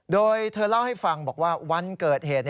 โดยเธอเล่าให้ฟังบอกว่าวันเกิดเหตุ